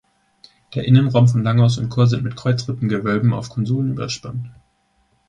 Der Innenraum von Langhaus und Chor sind mit Kreuzrippengewölben auf Konsolen überspannt.